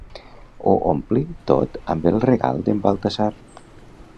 Ho ompli tot amb el regal d'en Baltasar.